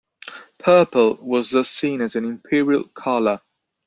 Purple was thus seen as an imperial colour.